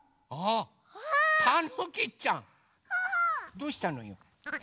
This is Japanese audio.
どうしたのよ？え？